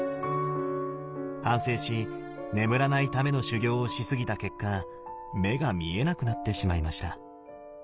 反省し眠らないための修行をしすぎた結果目が見えなくなってしまいました。